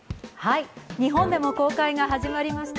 日本でも公開が始まりました